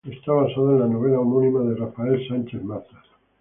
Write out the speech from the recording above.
Está basada en la novela homónima de Rafael Sánchez Mazas.